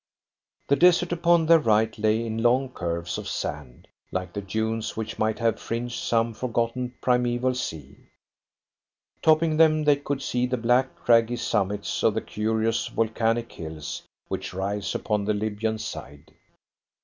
The desert upon their right lay in long curves of sand, like the dunes which might have fringed some forgotten primeval sea. Topping them they could see the black, craggy summits of the curious volcanic hills which rise upon the Libyan side.